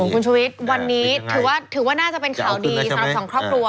คุณชุวิตวันนี้ถือว่าน่าจะเป็นข่าวดีสำหรับสองครอบครัว